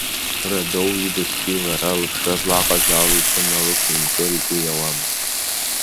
Радоу, ибыхьи лара, лыԥшра злаҟаз ала, ихы налықәимкыр игәы иауамызт.